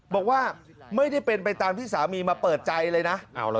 บอกว่าไม่ได้เป็นไปตามที่สามีมาเปิดใจเลยนะ